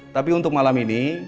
tapi untuk malam ini